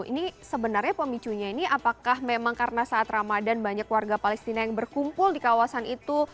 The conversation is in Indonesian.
ini sebenarnya pemicunya ini apakah memang karena saat ramadan banyak warga palestina yang berkumpul di kawasan itu